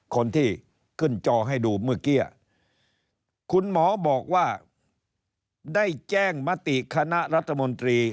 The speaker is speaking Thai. คนที่ขึ้นจอให้ดูเมื่อกี้คุณหมอบอกว่าได้แจ้งมติคณะรัฐมนตรี